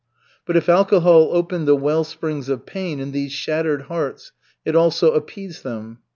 But if alcohol opened the well springs of pain in these shattered hearts, it also appeased them.